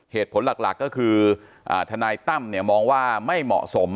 เหตุผลหลักก็คือทนายตั้มเนี่ยมองว่าไม่เหมาะสม